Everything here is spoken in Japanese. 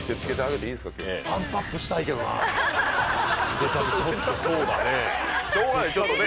腕立てちょっとそうだね。